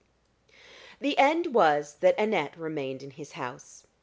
The end was, that Annette remained in his house.